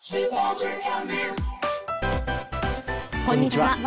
こんにちは。